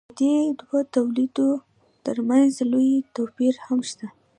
د دې دوو تولیدونو ترمنځ لوی توپیر هم شته.